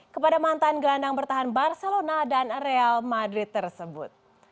kepada mantan gelandang bertahan barcelona dan real madrid tersebut